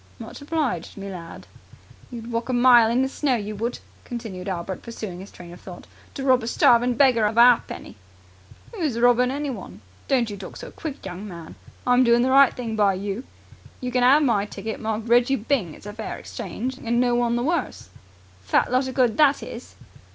"Much obliged, me lad." "You'd walk a mile in the snow, you would," continued Albert pursuing his train of thought, "to rob a starving beggar of a ha'penny." "Who's robbing anyone? Don't you talk so quick, young man. I'm doing the right thing by you. You can 'ave my ticket, marked 'Reggie Byng'. It's a fair exchange, and no one the worse!" "Fat lot of good that is!"